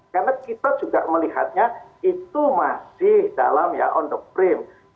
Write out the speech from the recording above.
karena kita juga melihatnya itu masih dalam ya on the frame